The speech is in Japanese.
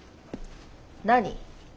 何？